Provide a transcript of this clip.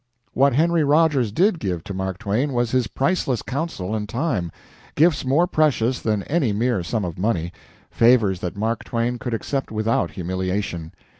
What Henry Rogers did give to Mark Twain was his priceless counsel and time gifts more precious than any mere sum of money favors that Mark Twain could accept without humiliation.